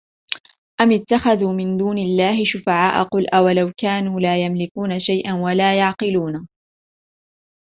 أَمِ اتَّخَذُوا مِنْ دُونِ اللَّهِ شُفَعَاءَ قُلْ أَوَلَوْ كَانُوا لَا يَمْلِكُونَ شَيْئًا وَلَا يَعْقِلُونَ